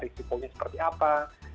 risikonya seperti apa